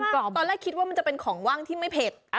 ตอนแรกคิดว่ามันจะเป็นของว่างที่ไม่เผ็ด